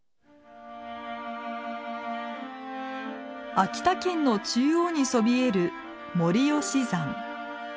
秋田県の中央にそびえる森吉山。